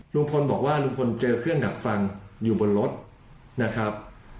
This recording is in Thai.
ลุงพลบอกว่าลุงพลเจอเพื่อนดักฟังอยู่บนรถนะครับ